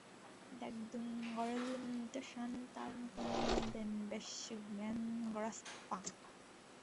দ্গে-'দুন-র্গ্যাল-ম্ত্শান তার নতুন নাম দেন ব্শেস-গ্ন্যেন-গ্রাগ্স-পা।